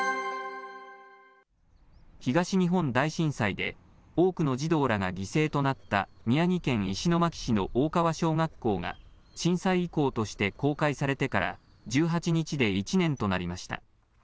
東日本大震災で多くの児童らが犠牲となった宮城県石巻市の大川小学校が、震災遺構として公開されてから１８日で１年となりました。